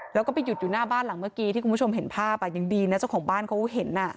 แล้วก็ไปหยุดอยู่หน้าบ้านหลังเมื่อกี้ที่คุณผู้ชมเห็นภาพอ่ะยังดีนะเจ้าของบ้านเขาเห็น